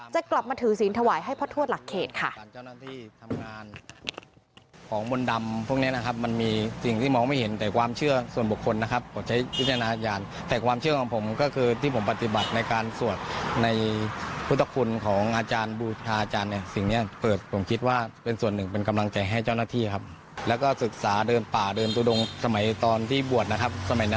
จะกลับมาถือศีลถวายให้พ่อทวดหลักเขตค่ะ